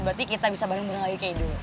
berarti kita bisa bareng bareng lagi ke idung